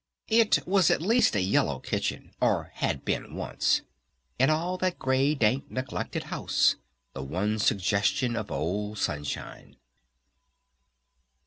It was at least a yellow kitchen, or had been once. In all that gray, dank, neglected house, the one suggestion of old sunshine.